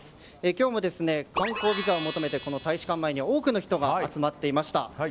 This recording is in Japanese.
今日も観光ビザを求めてこの大使館前に多くの人が集まっていました。